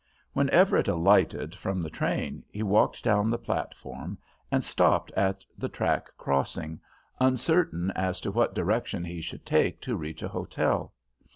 When Everett alighted from the train he walked down the platform and stopped at the track crossing, uncertain as to what direction he should take to reach a hotel.